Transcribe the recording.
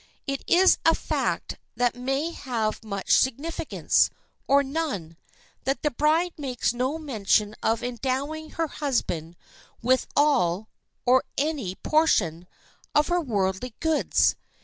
It is a fact that may have much significance—or none—that the bride makes no mention of endowing her husband with all, or any portion, of her worldly goods.